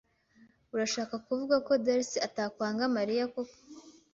Urashaka kuvuga ko Darcy atakwanga Mariya koko?